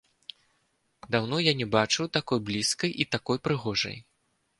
Даўно яе не бачыў такой блізкай і такой прыгожай.